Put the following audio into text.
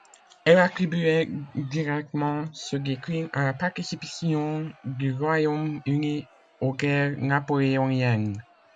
Elle attribuait directement ce déclin à la participation du Royaume-Uni aux guerres napoléoniennes.